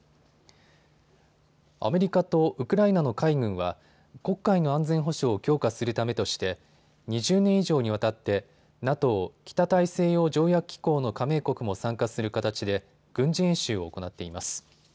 アメリカとウクライナの海軍は黒海の安全保障を強化するためとして２０年以上にわたってＮＡＴＯ・北大西洋条約機構の加盟国も参加する形で軍事演習を行っています。